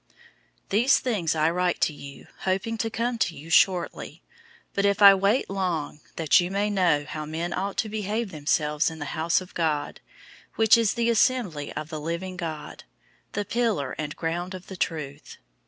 003:014 These things I write to you, hoping to come to you shortly; 003:015 but if I wait long, that you may know how men ought to behave themselves in the house of God, which is the assembly of the living God, the pillar and ground of the truth.